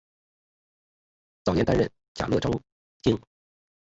早年担任甲喇章京。